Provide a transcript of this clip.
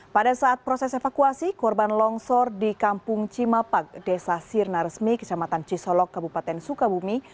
pada saat proses evakuasi korban longsor di kampung cimapak desa sirna resmi kecamatan cisolok kabupaten sukabumi